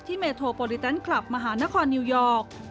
เมโทโปรดิแตนคลับมหานครนิวยอร์ก